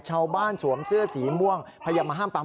สวมเสื้อสีม่วงพยายามมาห้ามปั๊ม